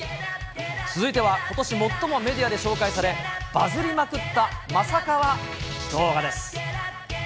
続いては、ことし最もメディアで紹介され、バズりまくったまさカワ動画です。